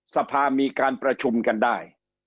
สภามีการประชุมกันได้